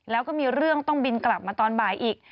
แล้วก็มีเรื่องต้องบินกลับมาตอนบ่ายอีก